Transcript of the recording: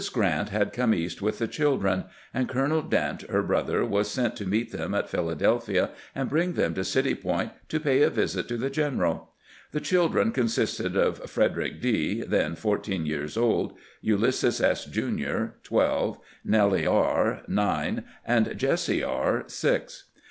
Grant had come East with the children, and Colo nel Dent, her brother, was sent to meet them at Phila delphia, and bring them to City Point to pay a visit to the general. The children consisted of Frederick D., then fourteen years old ; Ulysses S., Jr., twelve ; Nellie R., nine ; and Jesse R., six.